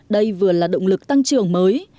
đây vừa là động lực tăng trưởng mới